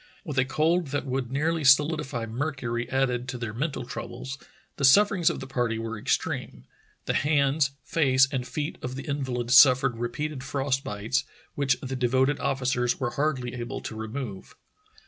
With a cold that would nearly solidify mercury added to their mental troubles, the sufferings of the party were extreme. The hands, face, and feet of the invahd suf fered repeated frost bites, which the devoted officers were hardly able to remove.